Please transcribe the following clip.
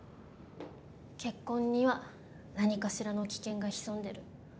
結婚には何かしらの危険が潜んでる。